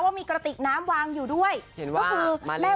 ว่ามีกระติกน้ำวางอยู่ด้วยเข็นว่ามะลิค่ะ